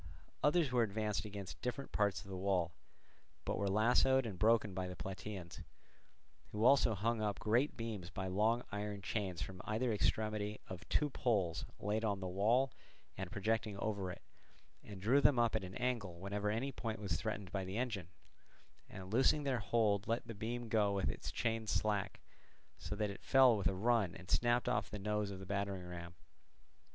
Others were advanced against different parts of the wall but were lassoed and broken by the Plataeans; who also hung up great beams by long iron chains from either extremity of two poles laid on the wall and projecting over it, and drew them up at an angle whenever any point was threatened by the engine, and loosing their hold let the beam go with its chains slack, so that it fell with a run and snapped off the nose of the battering ram.